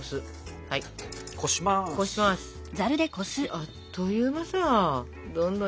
あっという間だ。